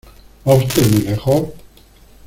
¿ va usted muy lejos?